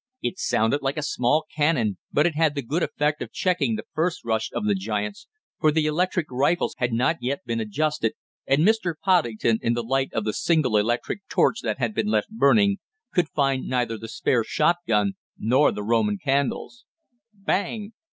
It sounded like a small cannon, but it had the good effect of checking the first rush of giants, for the electric rifles had not yet been adjusted, and Mr. Poddington, in the light of the single electric torch that had been left burning, could find neither the spare shotgun nor the Roman candles. BANG!